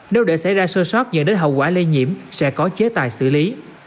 nếu để xảy ra sơ sót dẫn đến hậu quả lây nhiễm sẽ có chế tài xử lý